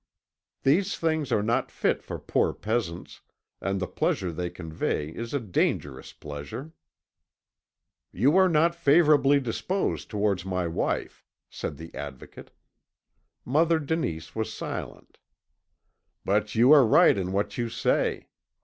"These things are not fit for poor peasants, and the pleasure they convey is a dangerous pleasure." "You are not favourably disposed towards my wife," said the Advocate. Mother Denise was silent. "But you are right in what you say.